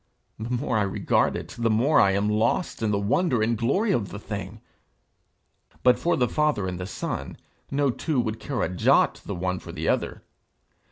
The more I regard it, the more I am lost in the wonder and glory of the thing. But for the Father and the Son, no two would care a jot the one for the other.